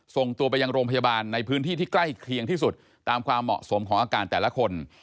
ส่งตัวไปยังโรงพยาบาลในพื้นที่ที่ใกล้เคียงที่สุดตามความเหมาะสมของอาการแต่ละคน